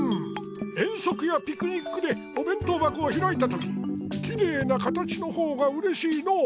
遠足やピクニックでおべん当ばこをひらいたとききれいな形のほうがうれしいのう。